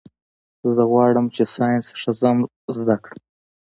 زه غواړم چي ساینس ښه سم زده کړم.